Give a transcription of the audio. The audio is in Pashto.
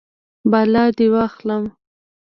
بلا دې واخلم.